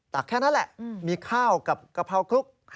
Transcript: แค่นั้นแหละมีข้าวกับกะเพราคลุก